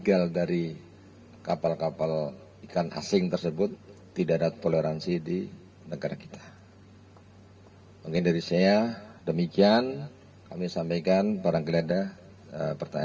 ada yang kabur dari luar biasa bakat